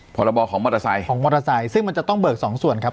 พรบของมอเตอร์ไซค์ของมอเตอร์ไซค์ซึ่งมันจะต้องเบิกสองส่วนครับ